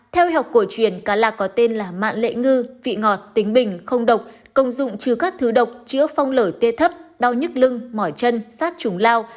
theo y học cổ truyền cá lạc có tên là mạn lệ ngư vị ngọt tính bình không độc công dụng chứa các thứ độc chứa phong lở tê thấp đau nhức lưng mỏi chân sát trùng lao